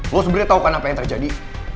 lo sebenarnya tau kan apa yang terjadi